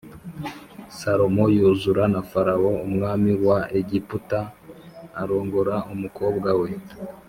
Salomo yuzura na Farawo umwami wa Egiputa arongora umukobwa we